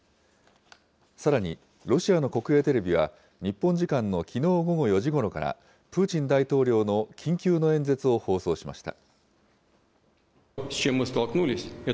さらに、ロシアの国営テレビは、日本時間のきのう午後４時ごろから、プーチン大統領の緊急の演説を放送しました。